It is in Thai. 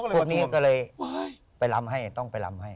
พวกนี้ก็เลยไปลำให้ต้องไปลำให้